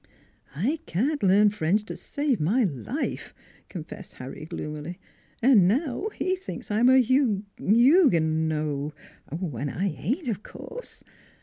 " I can't learn French to save my life," con fessed Harry gloomily. " And now he thinks I'm a Hug Hug er no; an' I ain't, of course.